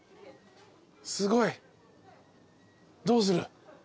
すごい。どうする？